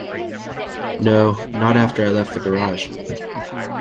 No, not after I left the garage.